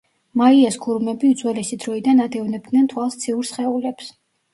მაიას ქურუმები უძველესი დროიდან ადევნებდნენ თვალს ციურ სხეულებს.